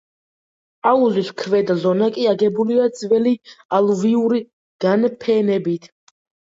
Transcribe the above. აუზის ქვედა ზონა კი აგებულია ძველი ალუვიური განფენებით.